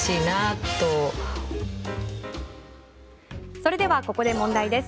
それではここで問題です。